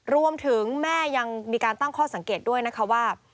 แม่ยังมีการตั้งข้อสังเกตด้วยนะคะว่า